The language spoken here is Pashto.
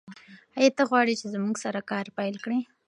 ایا ته غواړې چې موږ سره کار پیل کړې؟